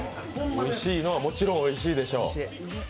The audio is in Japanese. おいしいのはもちろんおいしいでしょう。